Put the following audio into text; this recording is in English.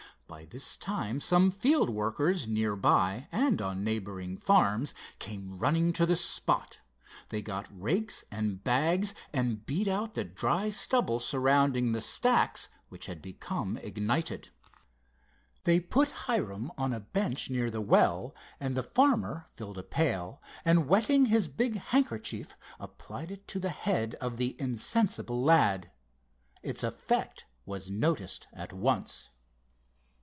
By this time some field workers, near by and on neighboring farms, came running to the spot. They got rakes and bags and beat out the dry stubble surrounding the stacks, which had become ignited. They put Hiram on a bench near the well, and the farmer filled a pail, and wetting his big handkerchief applied it to the head of the insensible lad. Its effect was noticed at once.